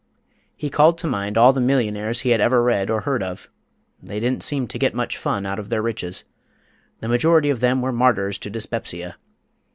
He called to mind all the millionaires he had ever read or heard of; they didn't seem to get much fun out of their riches. The majority of them were martyrs to dyspepsia.